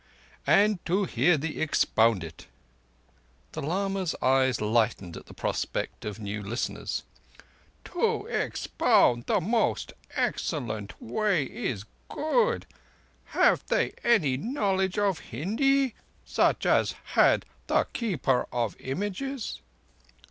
"And to hear thee expound it." The lama's eyes lighted at the prospect of new listeners. "To expound the Most Excellent Way is good. Have they any knowledge of Hindi, such as had the Keeper of Images?"